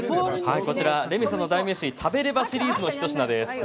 レミさんの代名詞「食べれば」シリーズの１つです。